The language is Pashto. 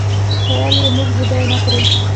ویل یې موږ ډوډۍ نه خورو.